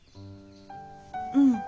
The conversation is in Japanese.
うん。